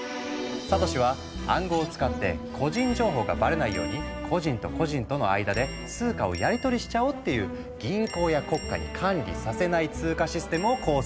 サトシは「暗号を使って個人情報がバレないように個人と個人との間で通貨をやりとりしちゃおう」っていう銀行や国家に管理させない通貨システムを構想したの。